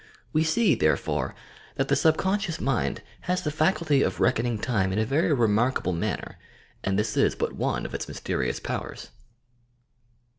We see, therefore, that the sub conscious mind has the faculty of reckoning time in a very remarkable manner, and this is but one of its mys terious powers.